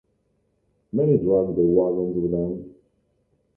Many dragged their wagons with them.